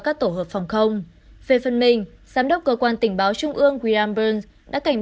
các tổ hợp phòng không về phần mình giám đốc cơ quan tình báo trung ương gramberns đã cảnh